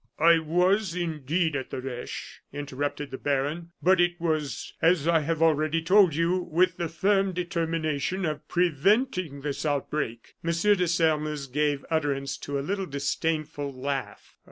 "I was, indeed, at the Reche," interrupted the baron; "but it was, as I have already told you, with the firm determination of preventing this outbreak." M. de Sairmeuse gave utterance to a little disdainful laugh.